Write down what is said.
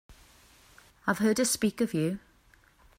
I've heard her speak of you.